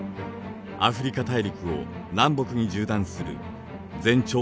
アフリカ大陸を南北に縦断する全長